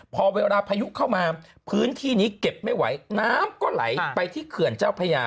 พอเวลาพายุเข้ามาพื้นที่นี้เก็บไม่ไหวน้ำก็ไหลไปที่เขื่อนเจ้าพญา